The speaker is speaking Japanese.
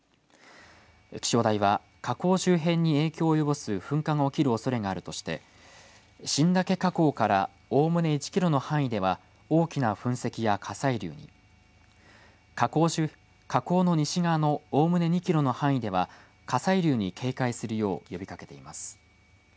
気象台は火口周辺に影響を及ぼす噴火が起きるおそれがあるとして新岳火口からおおむね１キロの範囲では大きな噴石や火砕流に火口の西側のおおむね２キロの範囲では火砕流に警戒するよう呼びかけています。